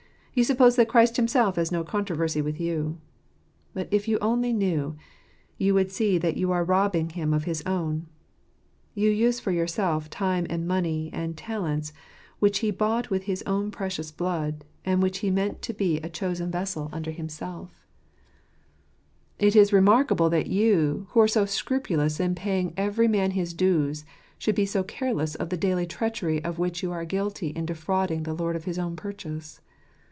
You suppose that Christ Himself has no controversy with you. But if you only knew, you would see that you are robbing Him of his own. You use for yourself time and money and talents which He bought with his own precious blood, and which He meant to be a chosen vessel unto Himself. io4 Joseph* Sttco tth Ittferbleta fautfr §Fs gretb«iL It is remarkable that you, who are so scrupulous in paying every man his dues, should be so careless of the daily treachery of which you are guilty in defrauding the Lord of his own purchase.